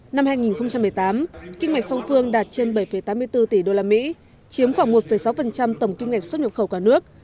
năm hai nghìn một mươi tám kinh mạch song phương đạt trên bảy tám mươi bốn tỷ usd chiếm khoảng một sáu tổng kim ngạch xuất nhập khẩu cả nước